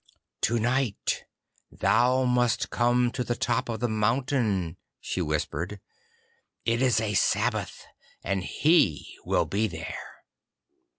'To night thou must come to the top of the mountain,' she whispered. 'It is a Sabbath, and He will be there.